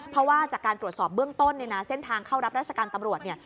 เพราะว่าจากการตรวจสอบเบื้องต้นเนี่ยนะเส้นทางเข้ารับราชการตำรวจเนี่ย